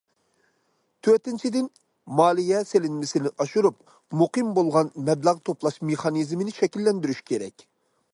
تۆتىنچىدىن، مالىيە سېلىنمىسىنى ئاشۇرۇپ، مۇقىم بولغان مەبلەغ توپلاش مېخانىزمىنى شەكىللەندۈرۈش كېرەك.